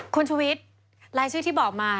คุณชุวิตรายชื่อที่บอกมา